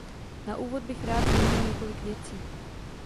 Na úvod bych rád zmínil několik věcí.